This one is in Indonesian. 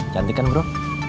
cantik kan bro